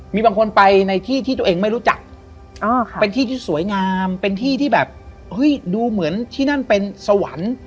มีบางคนไปในที่ที่ตัวเองไม่รู้จักเป็นที่ที่สวยงามเป็นที่ที่แบบเฮ้ยดูเหมือนที่นั่นเป็นสวรรค์